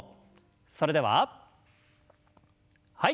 それでははい。